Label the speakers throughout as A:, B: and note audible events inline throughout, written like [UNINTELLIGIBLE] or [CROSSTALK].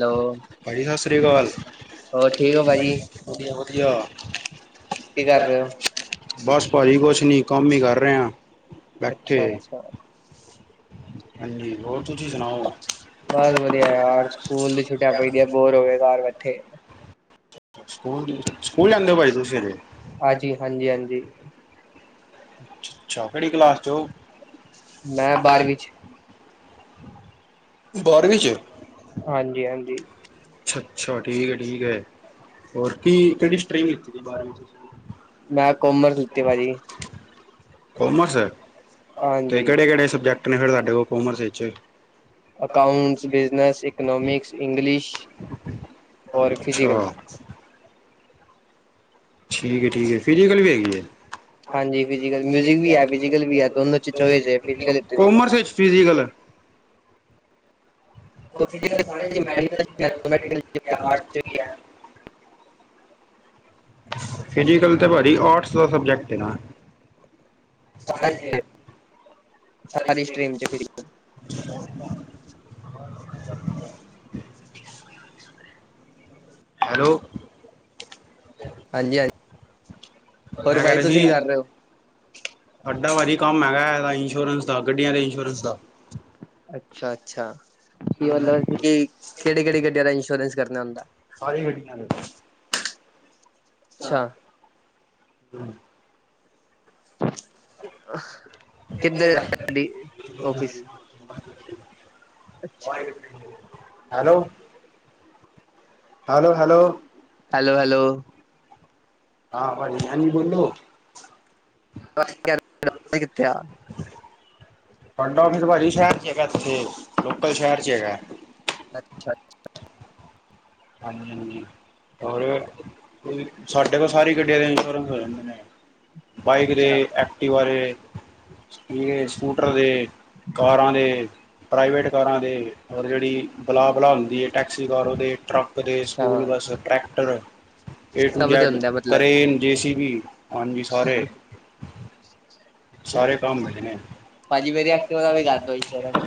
A: Hello,
B: ਭਾਜੀ ਸਤਿ ਸ੍ਰੀ ਅਕਾਲ।
A: ਹੋਰ ਠੀਕ ਹੋ ਭਾਜੀ, ਕੀ ਕਰ ਰਹੇ ਹੋ?
B: ਬਸ ਭਾਜੀ ਕੁਛ ਨਹੀਂ। ਕੰਮ ਹੀ ਕਰ ਰਿਹਾ ਬੈਠੇ
A: ਅੱਛਾ-ਅੱਛਾ।
B: ਹਾਂਜੀ ਹੋਰ ਤੁਸੀਂ ਸੁਣਾਓ
A: ਬਸ ਵਧੀਆ ਯਾਰ ਸਕੂਲ ਦੀ ਛੁੱਟੀਆਂ ਪਈ ਦੀਆਂ ਬੋਰ ਹੋਵੇ ਘਰ ਬੈਠੇ
B: ਸਕੂਲ- ਸਕੂਲ ਜਾਂਦੇ ਹੋ ਭਾਾਈ ਤੁਸੀਂ ਇਹਰੇ
A: ਹਾਂਜੀ- ਹਾਂਜੀ, ਹਾਂਜੀ।
B: ਅ ਅੱਛਾ ਕਿਹੜੀ ਕਲਾਸ ਚ ਉਹ
A: ਮੈਂ ਬਾਰਵੀਂ ਚ
B: ਬਾਰਵੀਂ ਚ
A: ਹਾਂਜੀ- ਹਾਂਜੀ।
B: ਅੱਛਾ- ਅੱਛਾ, ਠੀਕ ਹੈ- ਠੀਕ ਹੈ। ਹੋਰ ਕੀ ਕਿਹੜੀ ਸਟ੍ਰੇਮਤੀ ਬਾਰਵੀ
A: ਮੈਂ ਕੋਮਰ ਖਤੀ ਭਾਜੀ
B: ਕੋਮਰਸ ਹੈ ਤੇ
A: ਹਾਂਜੀ।
B: ਕਿਹੜੇ- ਕਿਹੜੇ ਸਬਜੈਕਟ ਨੇ ਫਿਰ ਸਾਡੇ ਉਹ ਕੋਮਰਸ ਵਿੱਚ।
A: Accounts, business, economics, English. ਔਰ
B: ਅੱਛਾ।
A: ਫਿਜ਼ੀਕਲ।
B: ਠੀਕ - ਠੀਕ ਹੈ ਫਿਜੀਕਲ ਵੀ ਹੈਗੀ ਹੈ।
A: ਹਾਂਜੀ ਫਿਜ਼ੀਕਲ, ਮਿਊਜ਼ਿਕ ਵੀ ਹੈ, ਫਿਜ਼ੀਕਲ ਵੀ ਹੈ, ਦੋਨੋ ਚ ਚੋਇਸ ਹੈ, ਫਿਜ਼ੀਕਲ ਲਿਤੀ ਦੀ ਹੈ।
B: ਕੋਮਰਸ ਵਿੱਚ ਫਿਜੀਕਲ ਫਿ ਸਾਰੇ ਮੈਡੀਲ ਆਟ ਵੀ ਹੈ। ਫਿਜ਼ਕਲ ਤੇ ਭਾਰੀ ਆਰਟਸ ਦਾ ਸਬਜੈਕਟ ਨਾ ਸਾਰੇ ਜ ਸਾਰੀ
A: ਸਟ੍ਰੀਮ ਚ ਫਿਜ਼ੀਕਲ,
B: [INAUDIBLE] ਹੈਲੋ।
A: ਹਾਂਜੀ- ਹਾਂਜੀ।
B: ਮੈਂ ਕਰਰਹੀ
A: ਰਹੇ ਹੋ?
B: [UNINTELLIGIBLE] ਸਾਡਾ ਵਾਰੀ ਕੰਮ ਹੈਗਾ ਹੈ ਇੰਸ਼ੋਰੈਂਸ ਦਾ ਗੱਡੀਆਂ ਦੇ ਇੰਸ਼ੋਰੈਂਸ ਦਾ
A: ਅੱਛਾ -ਅੱਛਾ ਕੀ ਮਤਲਬਂ ਕਿ ਕਿਹੜੇ ਕਿਹੜੀ ਗੱਡੀਆਂ ਦਾ ਇੰਸ਼ੋਰੈਂਸ ਕਰਨਾ ਹੁੰਦਾ।
B: ਸਾਰੇ ਗੱਡੀਆਂ ਦੇ।
A: ਅੱਛਾ
B: ਹ -।
A: ਅਹ [INAUDIBLE] ਕਿਧਰ [UNINTELLIGIBLE]
B: hello. Hello -hello
A: hello -hello
B: ਹਾਂ ਭਾਈ, ਹਾਂਜੀ ਬੋਲੋ।
A: ਕੀਤਾ [UNINTELLIGIBLE]
B: ਪੰਡੋਵੀ ਸ਼ਹਿਰ ਚ ਹੈਗਾ ਇੱਥੇ ਲੋਕਲ ਸ਼ਹਿਰ ਚ ਹੈਗਾ।
A: ਅੱਛਾ -ਅੱਛਾ।
B: ਹਾਂਜੀ -ਹਾਂਜੀ। ਰ ਸਾਡੇ ਕੋਲ ਸਾਰੀ ਗੱਡੀਆਂ ਦੇ ਇੰਸ਼ੋਰੈਂਸ ਹੋ ਜਾਂਦੇ ਨੇ।
A: ਅੱਛਾ
B: ਬਾਈਕ
A: ਅੱਛਾ
B: ਦੇ, ਐਕਟੀਵਾ ਦੇ, ਸਕੂਟਰ ਦੇ ਕਾਰਾਂ ਦੇ, ਪ੍ਰਾਈਵੇਟ ਕਾਰਾਂ ਦੇ ਔਰ ਜਿਹੜੀ ਬੁਲਾ ਬੁਲਾਉੁਦੀ, ਹੈ ਟੈਕਸੀਕਾਰੋਂ ਦੇ, ਟਰੱਕ ਦੇ, ਸਕੂਲ
A: ਸਭ
B: ਬੱਸ, ਟਰੈਕਟਰ ਏ ਟੂ
A: ਦੇ
B: ਜੈਡ
A: ਹੁੰਦਾ ਮਤਲਬ
B: ਕਰੇ ਜੇਸੀ ਵੀ ਹਾਂਜੀ ਸਾਰੇ ਸਾਰੇ ਕੰਮ ਮਿਲਣੇ।
A: ਭਾਜੀ ਮੇਰੀ ਐਕਟਿਵਾ ਦਾ ਵੀ ਕਰ ਦੋ ਇੰਸ਼ੋਰੈਂਸ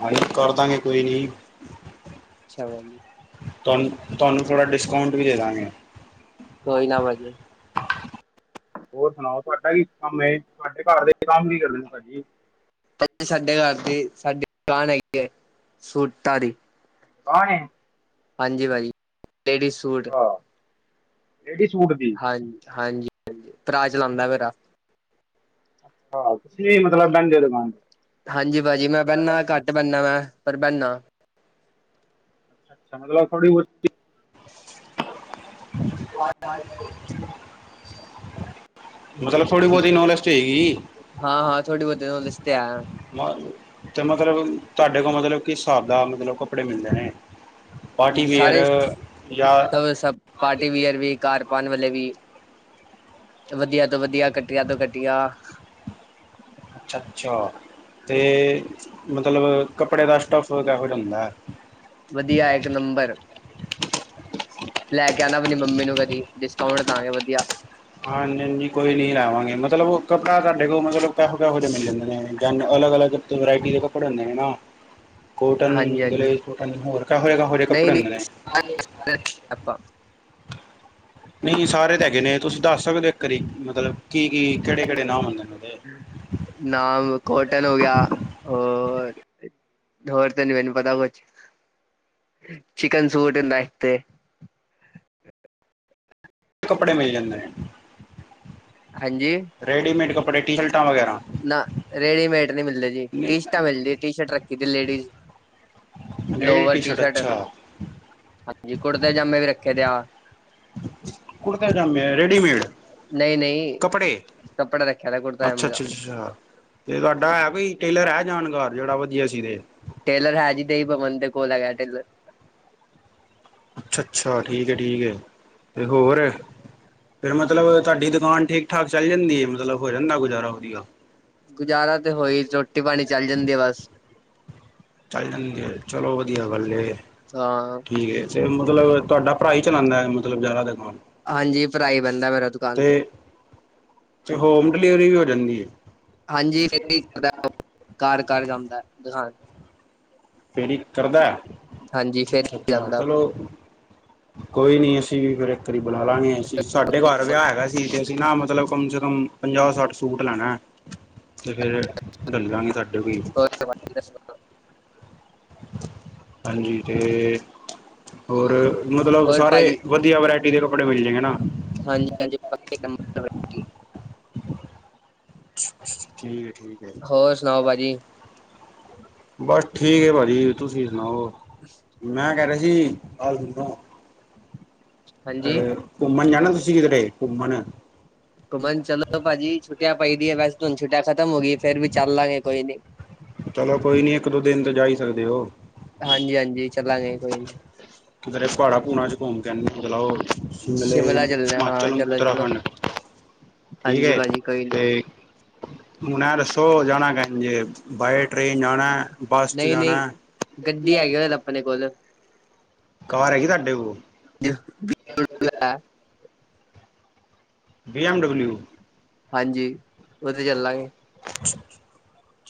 B: ਹਾਂਜੀ ਕਰਦਾਂਗੇ ਕੋਈ ਨੀ।
A: ਅੱਛਾ ਬਾਈ ਜੀ।
B: ਤੁਹਾਨੂੰ ਤੁਹਾਨੂੰ ਥੋੜਾ ਡਿਸਕਾਊਂਟ ਵੀ ਦੇ ਦਾਂਗੇ।
A: ਕੋਈ ਨਾ ਭਾਜੀ।
B: ਹੋਰ ਸੁਣਾਓ ਤੁਹਾਡਾ ਕੀ ਕੰਮ ਹੈ। ਤੁਹਾਡੇ ਘਰ ਦੇ ਕੰਮ ਕੀ ਕਰਦੇ ਭਾਜੀ।
A: ਭਾਜੀ ਸਾਡੇ ਘਰ ਦੀ ਸਾਡੀ ਦੁਕਾਨ ਹੈਗੀ ਹੈ। ਸੂਟਾਂ ਦੀ।
B: ਕੌਣ ਹੈ।
A: ਹਾਂਜੀ ਭਾਜੀ, ਲੇਡੀਜ਼ ਸੂਟ।
B: ਲੇਡੀਜ ਸੂਟ ਦੀ।
A: ਹਾਂਜੀ, ਹਾਂਜੀ, ਹਾਂਜੀ ਭਰਾ ਚਲਾਉਂਦਾ ਮੇਰਾ।
B: ਹਾਂਜੀ ਤੁਸੀਂ ਵੀ ਮਤਲਬ ਬਹਿੰਦੇ ਹੋ ਦੁਕਾਨ ਤੇ?
A: ਹਾਂਜੀ ਭਾਜੀ ਮੈਂ ਬਹਿੰਨਾ, ਘੱਟ ਬਹਿੰਨਾ ਮੈਂ, ਪਰ ਬਹਿੰਨਾ
B: ਅੱਛਾ ਮਤਲਬ ਥੋੜੀ ਬਹੁਤੀ
A: ਹਾਂਜੀ, ਹਾਂਜੀ।
B: [UNINTELLIGIBLE] ਮਤਲਬ ਥੋੜ੍ਹੀ ਬਹੁਤੀ ਨੌਲੇਜ ਤੇ ਹੈਗੀ।
A: ਹਾਂ ਹਾਂ ਥੋੜੀ ਬਹੁਤੀ ਨੌਲੇਜ ਤੇ ਹੈ
B: ਤੇ ਮਤਲਬ ਤੁਹਾਡੇ ਕੋਲ ਮਤਲਬ ਕਿਸ ਹਿਸਾਬ ਦਾ ਮਤਲਬ ਕੱਪੜੇ ਮਿਲਦੇ ਨੇ? ਪਾਰਟੀ ਵੇਅਰ
A: ਸਾਰੇ
B: ਜਾਂ
A: ਅਹ ਸਭ ਪਾਰਟੀ ਵੀਅਰ ਵੀ, ਘਰ ਪਾਣ ਵਾਲੇ ਵੀ। ਵਧੀਆ ਤੋਂ ਵਧੀਆ, ਘਟੀਆ ਤੋਂ ਘਟੀਆ।
B: ਅੱਛਾ, ਅੱਛਾ ਤੇ ਮਤਲਬ ਕੱਪੜੇ ਦਾ ਸਟਫ ਕਿਹੋ ਜਿਹਾ ਹੁੰਦਾ?
A: ਵਧੀਆ ਇੱਕ ਨੰਬਰ। ਲੈ ਕੇ ਆਣਾ ਆਪਣੀ ਮੰਮੀ ਨੂੰ ਕਦੀ ਡਿਸਕਾਊਂਟ ਦਾਗੇ ਵਧੀਆ।
B: ਹਾਂਜੀ, ਹਾਂਜੀ ਕੋਈ ਨੀ ਲਾਵਾਂਗੇ ਮਤਲਬ ਉਹ ਕੱਪੜਾ ਤੁਹਾਡੇ ਕੋਲ ਮਤਲਬ ਕਿਹੋ, ਕਿਹੋ ਜਿਹੇ ਮਿਲ ਜਾਂਦੇ ਨੇ ਜਾਂ ਅਲੱਗ, ਅਲੱਗ। ਇੱਕ ਵਰਾਇਟੀ ਦੇ ਕੱਪੜੇ ਹੁੰਦੇ ਨੇ ਨਾ। ਕੋਟਨ,
A: ਹਾਂਜੀ ਹਾਂਜੀ
B: ਗਰੇਸ ਕੋਟਨ ਹੋਰ ਕਿਹੋ ਜਿਹੇ ਕਿਹੋ ਜਿਹੇ
A: ਨਹੀਂ
B: ਕੱਪੜੇ
A: ਨਹੀਂ
B: ਹੁੰਦੇ ਨੇ?
A: ਆਪਾਂ
B: ਨਹੀਂ ਸਾਰੇ ਤਾਂ ਹੈਗੇ ਨੇ। ਤੁਸੀਂ ਦੱਸ ਸਕਦੇ ਹੋ? ਇੱਕ ਵਾਰੀ ਮਤਲਬ ਕੀ-ਕੀ ਕਿਹੜੇ ਕਿਹੜੇ ਨਾਮ ਹੁੰਦੇ ਨੇ ਉਹਦੇ?
A: ਨਾਮ ਕੋਟਨ ਹੋ ਗਿਆ ਹੋਰ ਹੋਰ ਤੇ ਨੀ ਮੈਨੂੰ ਪਤਾ ਕੁਛ ਚਿਕਨ ਸੂਟ ਹੁੰਦਾ ਇੱਕ ਤੇ ‌
B: ਕੱਪੜੇ ਮਿਲ ਜਾਂਦੇ ਨੇ।
A: ਹਾਂਜੀ?
B: ਰੈਡੀਮੇਡ ਕੱਪੜੇ ਟੀ ਸ਼ਰਟਾਂ ਵਗੈਰਾ।
A: ਨਾ ਰੇਡੀਮੇਡ ਨਹੀਂ ਮਿਲਦੇ ਜੀ।
B: ਨਹੀਂ
A: ਟੀ ਸ਼ਰਟ ਮਿਲਦੀ ਟੀ ਸ਼ਰਟ ਰੱਖੀ ਦੀ ਲੇਡੀਜ਼। ਲੋਅਰ ਟੀ ਸ਼ਰਟ ਹਾਂਜੀ ਕੁੜਤੇ ਪਜਾਮੇ ਵੀ ਰੱਖੇ ਦੇ ਆ।
B: ਕੁੜਤੇ ਪਜਾਮੇ ਰੇਡੀਮੇਡ।
A: ਨਹੀਂ ਨਹੀਂ
B: ਕੱਪੜੇ
A: ਕੱਪੜਾ ਰੱਖਿਆ ਦਾ ਕੁੜਤਾ
B: ਅੱਛਾ,
A: ਜਾਮੇ ਦਾ
B: ਅੱਛਾ, ਅੱਛਾ। ਤੇ ਤੁਹਾਡਾ ਹੈ, ਕੋਈ ਟੇਲਰ ਹੈ?, ਜਾਣਕਾਰ ਜਿਹੜਾ ਵਧੀਆ ਸੀਵੇ।
A: ਟੇਲਰ ਹੈ ਜੀ ਦੇ ਭਵਨ ਕੋਲ ਹੈਗਾ ਟੇਲਰ।
B: ਅੱਛਾ, ਅੱਛਾ ਠੀਕ ਹੈ ਠੀਕ ਹੈ ਤੇ ਹੋਰ? ਫੇਰ ਮਤਲਬ ਤੁਹਾਡੀ ਦੁਕਾਨ ਠੀਕ ਠਾਕ ਚੱਲ ਜਾਂਦੀ ਐ? ਮਤਲਬ ਹੋ ਜਾਂਦਾ ਗੁਜ਼ਾਰਾ ਵਧੀਆ?
A: ਗੁਜ਼ਾਰਾ ਤੇ ਹੋਈ ਰੋਟੀ ਪਾਨੀ ਚੱਲ ਜਾਂਦੀ ਆ ਬਸ।
B: ਚੱਲ ਜਾਂਦੀ ਹੈ, ਚਲੋ ਵਧੀਆ ਗੱਲ ਹੈ।
A: ਹਾਂ
B: ਠੀਕ ਹੈ। ਫੇਰ ਮਤਲਬ ਤੁਹਾਡਾ ਭਰਾ ਹੀ ਚਲਾਉਂਦਾ ਮਤਲਬ ਜ਼ਿਆਦਾ ਦੁਕਾਨ?
A: ਹਾਂਜੀ ਭਰਾਈ ਬੈਂਦਾਂ ਮੇਰਾ ਦੁਕਾਨ ਤੇ।
B: ਤੇ ਹੋਮ ਡਿਲੀਵਰੀ ਵੀ ਹੋ ਜਾਂਦੀ ਐ?
A: ਹਾਂਜੀ ਕੀਤੀ ਕਰਦਾ ਉਹ ਘਰ ਘਰ ਜਾਂਦਾ ਦਿਖਾਣ
B: ਫਿਰ ਇਕ ਕਰਦਾ
A: ਹਾਂਜੀ ਫੇਰ
B: ਅੱਛਾ ਅੱਛਾ
A: ਜਾਂਦਾ
B: ਚਲੋ। ਕੋਈ ਨੀ ਅਸੀਂ ਵੀ ਫੇਰ ਇੱਕ ਵਾਰੀ ਬੁਲਾ ਲਾਂਗੇ। ਸਾਡੇ ਘਰ ਵਿਆਹ ਹੈਗਾ ਸੀ ਤੇ ਅਸੀਂ ਨਾ ਮਤਲਬ ਕਮ ਸੇ ਕਮ ਪੰਜਾਹ ਸੱਠ ਸੂਟ ਲੈਣਾ ਅਤੇ ਫਿਰ ਡੱਲ ਦਾਂਗੇ ਸਾਡੇ ਕੋ।
A: [INAUDIBLE]
B: ਹਾਂਜੀ ਤੇ ਹੋਰ ਮਤਲਬ
A: ਹੋਰ
B: ਸਾਰੇ
A: ਭਾਜੀ
B: ਵਧੀਆ ਵਰਾਇਟੀ ਦੇ ਕੱਪੜੇ ਮਿਲ ਜਾਏਗੇ ਨਾ?
A: ਹਾਂਜੀ
B: ਠੀਕ ਏ, ਠੀਕ ਏ
A: ਹੋਰ ਸੁਣਾਓ ਭਾਜੀ?
B: ਬਸ ਠੀਕ ਭਾਜੀ। ਤੁਸੀਂ ਸੁਣਾਓ?
A: ਅ
B: ਮੈਂ ਕਹਿ ਰਿਹਾ ਸੀ।
A: ਹਾਂਜੀ
B: ਘੁੰਮਣ ਜਾਣਾ ਤੁਸੀਂ ਕਿਧਰੇ ਘੁੰਮਣ।
A: ਘੁੰਮਨ ਚਲੋ ਭਾਜੀ ਛੁੱਟੀਆਂ ਪਈ ਦੀ ਹੈ। ਵੈਸੇੂੰ ਛੁੱਟੀਆਂ ਖਤਮ ਹੋ ਗਈ ਫਿਰ ਵੀ ਚੱਲ ਲਾਂਗੇ ਕੋਈ ਨ ਨਹੀਂ।
B: ਚਲੋ ਕੋਈ ਨੀ ਇੱਕ ਦੋ ਦਿਨ ਤੇ ਜਾਈ ਸਕਦੇ ਹੋ।
A: ਹਾਂਜੀ ਹਾਂਜੀ ਚੱਲਾਗੇ ਕੋਈ ਨੀ।
B: ਪੁਹਾੜਾ ਭੂਣਾ ਚ ਘੂਮ ਕਹਿੰਦੇ ਮਤਲਬ ਉਹ। ਸ਼ਿਮਲੇ
A: ਸ਼ਿਮਲਾ ਚੱਲਣਾ ਹਾਂ
B: ਹਿਮਾਚਲ
A: ਚਲੋ ਚਲੋ
B: ਉੱਤਰਾਖੰਡ ਠੀਕ
A: ਹਾਂਜੀ ਭਾਜੀ ਕੋਈ ਨੀ
B: ਹੈ। ਹੁਣ ਇਹ ਦੱਸੋ ਜਾਣਾ ਕ ਜੇ ਬਏ ਟ੍ਰੇਨ ਜਾਣਾ ਬੱਸ ਚ
A: ਨਹੀਂ
B: ਜਾਣਾ
A: ਨਹੀਂ ਗੱਡੀ ਹੈਗੀ ਉ ਆਪਣੇ ਕੋਲ
B: ਕਾਰ ਹੈਗੀ ਤੁਹਾਡੇ ਕੋਲ।
A: ਬਿਲੁ ਹੈ।
B: ਬੀ ਐਮ ਡਬਲਿਊ
A: ਹਾਂਜੀ ਉਹ ਤੇ ਚੱਲਾਂਗੇ।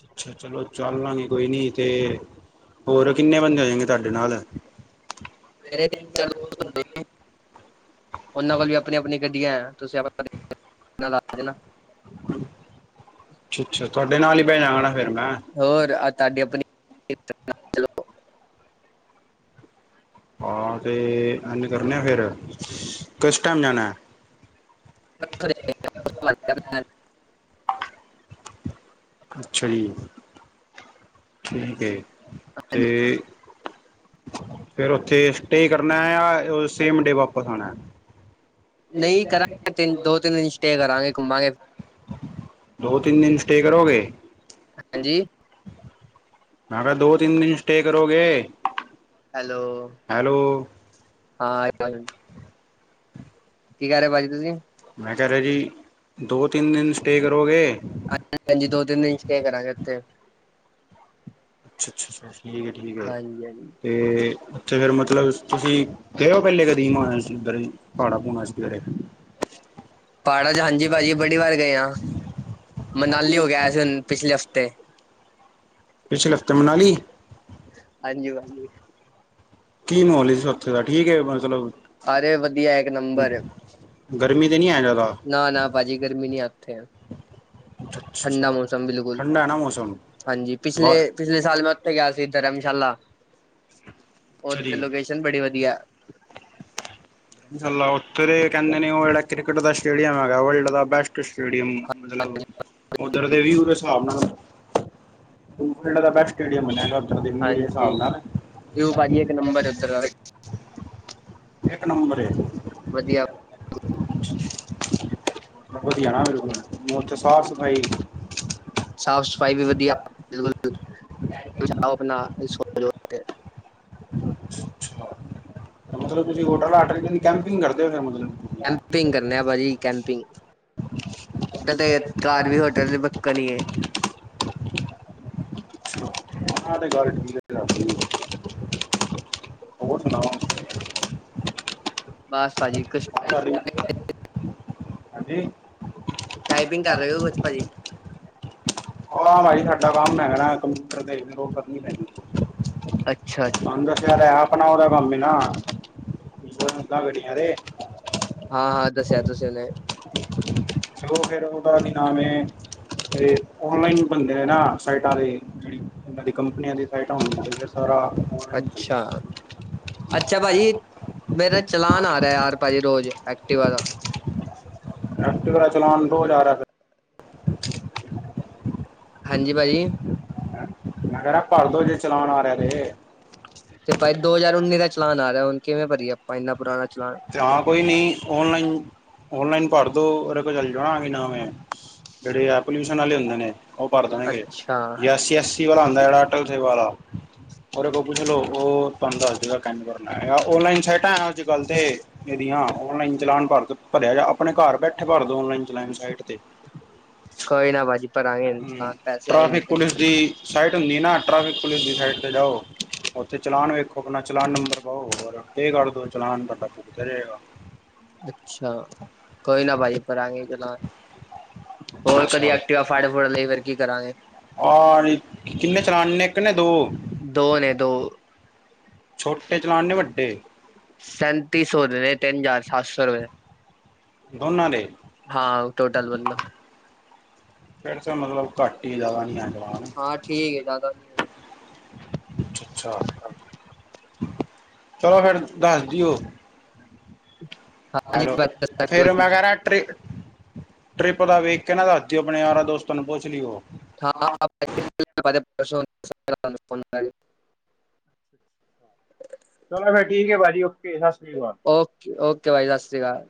B: ਅੱਛਾ ਚਲੋ ਚੱਲ ਲਾਂਗੇ ਕੋਈ ਨੀ ਤੇ। ਹੋਰ ਕਿੰਨੇ ਬੰਦੇ ਹੋ ਜਾਨ ਗੇ ਤੁਹਾਡੇ ਨਾ
A: ਉਹਨਾਂ ਕੋਲ ਵੀ ਆਪਣੀ ਆਪਣੀ ਗੱਡੀਆਂ ਤੁਸੀਂ ਆਪ [UNINTELLIGIBLE]
B: ਅੱਛ ਅੱਛਾ ਤੁਹਾਡੇ ਨਾਲ ਹੀ ਬੈਣਾ ਜਾਣਾ ਫੇਿਰ ਮੈਂ।
A: ਹੋਰ ਤੁਹਾਡੀ ਆਪਣੀ।
B: ਹਾਂ ਤੇ ਐਨ ਕਰਨ ਆ ਫਿਰ ਕਿਸ ਟਾਈਮ ਜਾਣਾ। ਅੱਛਾ ਜੀ ਠੀਕ ਹੈ ਤੇ ਫੇਿਰ ਉੱਥੇ ਸਟੇ ਕਰਨਾ ਜਾਂ ਸੇਮ ਡੇ ਵਾਪਿਸ ਆਉਣਾ।
A: ਨਹੀਂ ਕਰਾਂਗੇ ਤਿੰ ਦੋ ਤਿੰਨ ਦਿਨ ਸਟੇ ਕਰਾਂਗੇ ਘੁੰਮਾਂਗੇ।
B: ਦੋ ਤਿੰਨ ਦਿਨ ਸਟੇ ਕਰੋਗੇ।
A: ਹਾਂਜੀ।
B: ਦੋ ਤਿੰਨ ਦਿਨ ਸਟੇ ਕਰੋਗੇ।
A: ਹੈਲੋ
B: ਹੈਲੋ
A: ਹਾਂ। ਕੀ ਕਰ ਰਹੇ ਭਾਜੀ ਤੁਸੀਂ।
B: ਮੈਂ ਕਹਿ ਰਿਹਾ ਜੀ ਦੋ ਤਿੰਨ ਦਿਨ ਸਟੇ ਕਰੋਗੇ।
A: ਹਾਂ ਹਾਂਜੀ ਦੋ ਤਿੰਨ ਦਿਨ ਚ ਕਰਾਂਗੇ ਇੱਥੇ।
B: ਅੱਛਾਅੱਛਾ ਠੀਕ ਹੈ ਠੀਕ ਹੈ
A: ਹਾਂਜੀ ਹਾਂਜੀ
B: ਤੇ। ਤੇ ਫੇਿਰ ਮਤਲਬ ਤੁਸੀਂ ਗਏ ਓ ਪਹਿਲੇ ਕਦਰ ਪਾਹਾੜਾ ਭੂਣਾ ਸੀਧਰੇ
A: ਹਾਂਜੀ ਭਾਜੀ ਬੜੀ ਵਾਰ ਗਏ ਆਾਂ। ਮਨਾਲੀ ਹੋ ਗਿਆ ਸੀ ਹੁਣ ਪਿਛਲੇ ਹਫ਼ਤੇ।
B: ਪਿਛਲੇ ਹਫ਼ਤੇ ਮਨਾਲੀ।
A: ਹਾਂਜੀ, [UNINTELLIGIBLE]
B: ਕੀ ਮੋਹਲ ਸੀ ਓਥੇ ਦਾ, ਠੀਕ ਐ ਮਤਲਬ
A: ਅਰੇ ਵਧੀਆ ਇੱਕ
B: ਗਰਮੀ ਤੇ ਨਹੀਂ ਹੈ ਜ਼ਿਆਦਾ।
A: ਨਾਂ ਨਾਂ, ਪਾਜੀ ਗਰਮੀ ਨਈਂ ਏ ਓਥੇ ਠੰਡਾ
B: ਅੱਛਾ
A: ਮੌਸਮ ਬਿਲਕੁਲ
B: ਠੰਡਾ ਹੈ ਨਾ ਮੌਸਮ
A: ਹਾਂਜੀ ਪਿਛਲੇ
B: ਬਹੁਤ
A: ਪਿਛਲੇ ਸਾਲ ਮੈਂ ਉਥੇ ਗਿਆ ਸੀ ਧਰਮਸ਼ਾਲਾ ਉਥ
B: ਅੱਛਾ ਜੀ
A: ਲੋਕੇਸ਼ਨ ਬੜੀ ਵਧੀਆ
B: ਸ ਉੱਤਰੇ ਕਹਿੰ ਨੇ ਉਹ ਕ੍ਰਿਕਟ ਦਾ ਸਟੇਡੀਅਮ ਹੈਗਾ ਵਰਲਡ ਦਾ ਬੈਸਟ ਸਟੇਡੀਅਮ ਮਤਲਬ ਉਧਰ ਦੇ ਵੀਦੇ ਹਿਸਾਬ ਨਾਲ ਦਾ ਬੈਸਟ ਸਟੇਮ ਬਨੇਗਾ
A: ਹਾਂਜੀ ਦੀਊ ਭਾਜੀ ਇੱਕ ਨੰਬਰ ਉੱਧਰ ਦਾ
B: ਇੱਕ ਨੰਬਰ ਏ
A: ਵਧੀਆ
B: ਵਧੀਆ ਨਾ ਬਿਲਕੁਲ ਉਥੇ ਸਾਫ਼ ਸਫ਼ਾਈ
A: ਸਾਫ਼ ਸਫ਼ਾਈ ਵੀ ਵਧੀਆ ਬਿਲਕੁਲ ਸੁਣਾਓ ਆਪਣੀ ਸੋਚ।
B: ਮਤਲਬ ਤੁਸੀਂ ਹੋਟਲ ਅੱਠ ਦਿਨ ਕੈਂਪਿੰਗ ਕਰਦੇ ਹੋ ਫਿਰ ਮਤਲਬ।
A: ਕੈਂਪਿੰਗ ਕਰਨੇਂ ਪਾਜੀ ਕੈਂਪਿੰਗ, [UNINTELLIGIBLE] ਘਰ ਵੀ ਹੋਟਲ ਕਨੀਏ
B: ਹ ਦੇ ਘਰ [UNINTELLIGIBLE] ਹੋਰ ਸੁਣਾਓ।
A: ਬਸ ਪਾਜੀ ਕੁਸ਼
B: [UNINTELLIGIBLE] ਹਾਂਜੀ।
A: ਟਾਈਪਿੰਗ ਕਰ ਰਹੇ ਹੋ ਕੁਛ ਪਾਜੀ।
B: ਆ ਬਾਈ ਸਾਡਾ ਕੰਮ ਹੈਗਾ ਣਾਂ ਕੰਪਿਊਟਰ ਦੇਖ ਉਹ ਕਰਨੀ ਪੈਣੀ।
A: ਅੱਛਾ
B: [UNINTELLIGIBLE] ਅੰਦਾ ਖੈਰ ਆਪ ਆਪਣਾ ਉਹਦਾ ਕੰਮ ਹੀ ਨਾਂ ਗੜੀਆਂ ਤੇ
A: ਹਾਂ ਹਾਂ, ਦੱਸਿਆ ਤੁਸੀਂ ਏਲੇ
B: ਚੋ ਫੇਰ ਉਹਦਾ ਵੀ ਨਾਮ ਐ, ਇਹ ਓਨਲਾਈਨ ਬਣਦੇ ਨੇਂ ਨਾਂ ਸਾਈਟਾਂ ਦੇ ਜਿਹੜੀ ਉਹਨਾਂ ਦੀ ਕੰਪਨੀਆਂ ਦੀ ਸਾਈਟਾਂ ਹੁੰਦੀ ਸਾਰਾ ਆਨਲਾਈਨ
A: ਅੱਛਾ।
B: ਚੱਲਦਾ
A: ਅੱਛਾ ਪਾਜੀ, ਮੇਰਾ ਚਲਾਨ ਆ ਰਿਆ, ਯਾਰ ਪਾਜੀ ਰੋਜ਼ ਐਕਟਿਵਾ ਦਾ।
B: ਏਕਟੀਵਾ ਚਲਾਵ ਦੋ ਯਾਰ ਫਿਰ [UNINTELLIGIBLE]
A: ਹਾਂਜੀ ਪਾਜੀ।
B: ਮੈਂ ਕਿਹ ਰਿਆ ਭਰਦੋ, ਜੇ ਚਲਾਣ ਆ ਰਿਹਾ ਤੇ।
A: ਤੇ ਭਾਈ ਦੋ ਹਜ਼ਾਰ ਉੱਨੀ ਦਾ ਚਲਾਨ ਆ ਰਿਹਾ, ਹੁਣ ਕਿਵੇਂ ਭਰੀਏ ਆਪਾਂ ਇੰਨਾ ਪੁਰਾਣਾ ਚਲਾਨ।
B: ਤੇ ਹਾਂ ਕੋਈ ਨੀਂ ਓਨਲਾਈਨ, ਓਨਲਾਈਨ ਭਰ ਦੋ ਉਦੇ ਕੋ ਚੱਲ ਜਓ ਨਾਂ ਕੀ ਨਾਮ ਏ। ਜਿਹੜੇ ਆ ਪੋਲਿਊਸ਼ਨ ਵਾਲੇ ਹੁੰਦੇ ਨੇਂ, ਉਹ ਭਰ ਦੇਣਗੇ
A: ਅੱਛਾ
B: ਯੇਸ ਯੇਸ। ਵਾਲਾ ਹੁੰਦਾ ਜਿਹੜਾ ਅਟਲ ਸੇਬ ਵਾਲਾ ਉਹਦੇ ਕੋ ਪੁੱਛਲੋ, ਉਹ ਤੁਹਾਨੂੰ ਦੱਸਦੇਗਾਂ ਕਿੰਝ ਕਰਨਾ ਓਨਲਾਈਨ ਸਾਈਟਾਂ ਅੱਜ-ਕੱਲ ਤੇ ਇਹਦੀਆਂ ਔਨਲਾਈਨ ਚਲਾਨ ਭਰ ਦੋ, ਭਰਿਆ ਜਾ ਆਪਣੇ ਘਰ ਬੈਠੇ ਭਰਦੋ ਔਨਲਾਈਨ ਚਲਾਣ ਸਾਈਟ ਤੇ। [UNINTELLIGIBLE]
A: ਕੋਈ ਨਾ ਭਾਜੀ ਭਰਾਂਗੇ
B: ਹਂ,
A: ਚਲਾਨ ਪੈਸੇ ਆਏਂਗੇ
B: ਟ੍ਰੇਫਿਕ
A: ਤੇ
B: ਪੁਲਿਸ ਦੀ ਸਾਈਟ ਹੁੰਦੀ ਨਾਂ, ਟ੍ਰੈਫਿਕ ਪੁਲਿਸ ਦੀ ਸਾਈਟ ਤੇ ਜਾਓ ਉੱਥੇ ਚਲਾਨ ਵੇਖੋ, ਆਪਨਾ ਚਲਾਨ ਨੰਬਰ ਪਾਓ, ਪੇ ਕਰ ਦੋ। ਚਲਾਨ ਤੁਆਡਾ ਪੁਗਤਿਆ ਜਾਏਗਾ।
A: ਅੱਛਾ ਕੋਈ ਨਾਂ ਪਾਜੀ ਭਰਾਂਗੇ ਚਲਾਣ। ਹੋਰ ਕਦੀ ਐਕਟਿਵਾ ਫੱੜ ਫੂੜ ਲਈ, ਫਿਰ ਕੀ ਕਰਾਂਗੇ?
B: ਆ [INAUDIBLE] ਕਿੰਨੇ ਚਲਾਾਨਣੇ ਇੱਕ ਨੇਂ? ਦੋ?
A: ਦੋ ਨੇਂ ਦੋ।
B: ਛੋਟੇ ਚਲਾਨ ਣੇਂ ਵੱਡੇ।
A: ਸੈਂਤੀ ਸੌ ਦੇ ਨੇਂ, ਤਿੰਨ ਹਜ਼ਾਰ ਸੱਤ ਸੌ ਰੁਪਏ।
B: ਦੋਨਾਂ ਦੇ।
A: ਹਾਂ ਟੋਟਲ ਬੋਦਲੋ
B: ਫਿਰ ਤਾਂ ਮਤਲਬ ਘੱਟ ਹੀ ਜ਼ਿਆਦਾ ਨੀ ਆ ਜਵਾਨ
A: ਹਾਂ ਠੀਕ ਹੈ ਜ਼ਿਆਦਾ ਨਹੀਂ ਹੈ
B: ਅੱਛਾ ਅੱਛਾ ਚਲੋ ਫੇਰ ਦੱਸਦੀਓ
A: ਹਾਂਜੀ
B: ਹੈਲੋ, ਫੇਰ ਮੇਂ ਹੈ ਰਿਆ ਟ੍ਰੀ ਟਰਿਪ ਦਾ ਵੇਖ ਕੇ ਨਾਂ ਦੱਸ ਦਿਓ, ਆਪਣੇ ਯਾਰਾਂ ਦੋਸਤਾਂ ਨੂੰ ਪੁੱਛ ਲਿਓ।
A: ਹਾਂ, [INAUDIBLE]
B: ਚਲੋ ਫਿਰ ਠੀਕ ਐ ਪਾਜੀ, ਓਕੇ ਸਤਿ ਸ੍ਰੀ ਅਕਾਲ।
A: ਓਕੇ ਓਕੇ, ਪਾਜੀ ਸਤਿ ਸ਼੍ਰੀ ਅਕਾਲ।